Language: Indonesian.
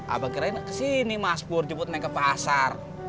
abang kirain kesini mas pur jemput naik ke pasar